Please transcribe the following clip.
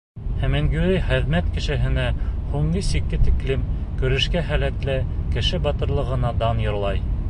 Хемингуэй хеҙмәт кешеһенә, һуңғы сиккә тиклем көрәшкә һәләтле кеше батырлығына дан йырлай.